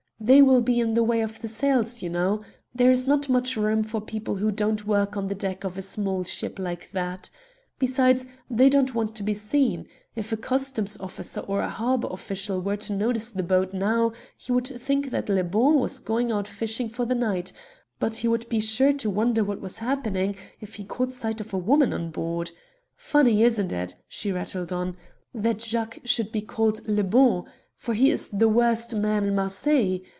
"They will be in the way of the sails, you know. There is not much room for people who don't work on the deck of a small ship like that. Besides, they don't want to be seen. If a customs officer or a harbour official were to notice the boat now he would think that Le Bon was going out fishing for the night, but he would be sure to wonder what was happening if he caught sight of a woman on board. Funny, isn't it," she rattled on, "that Jacques should be called 'Le Bon,' for he is the worst man in Marseilles?